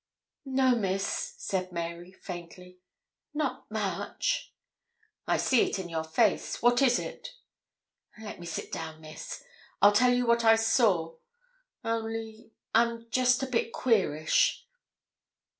'No, Miss,' said Mary, faintly, 'not much.' 'I see it in your face. What is it?' 'Let me sit down, Miss. I'll tell you what I saw; only I'm just a bit queerish.'